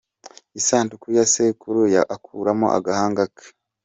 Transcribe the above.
isanduku ya sekuru akuramo agahanga ke